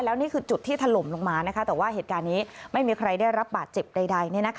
แล้วนี่คือจุดที่ถล่มลงมาแต่ว่าเหตุการณ์นี้ไม่มีใครได้รับบาดเจ็บใด